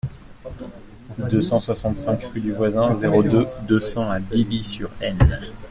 deux cent soixante-cinq rue du Voisin, zéro deux, deux cents à Billy-sur-Aisne